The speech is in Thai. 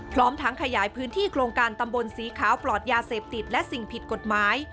พร้อมทั้งขยายพื้นที่โครงการตำบลสีขาวปลอดยาเสพติดและสิ่งผิดกฎหมาย